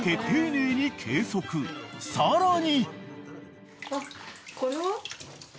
［さらに］